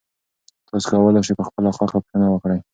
تاسي کولای شئ په خپله خوښه پوښتنه وکړئ.